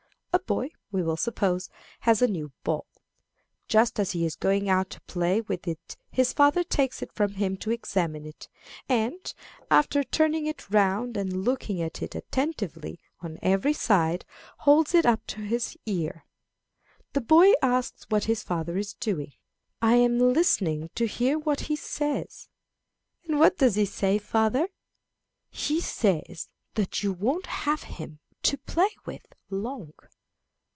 A boy, we will suppose, has a new ball. Just as he is going out to play with it his father takes it from him to examine it, and, after turning it round and looking at it attentively on every side, holds it up to his ear. The boy asks what his father is doing. "I am listening to hear what he says." "And what does he say, father?" "He says that you won't have him to play with long."